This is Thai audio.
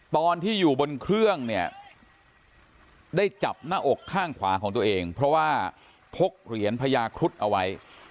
ตอนที่อยู่บนเครื่องเนี่ยได้จับหน้าอกข้างขวาของตัวเองเพราะว่าพกเหรียญพญาครุฑเอาไว้